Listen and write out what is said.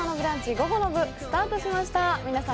午後の部スタートしました皆さん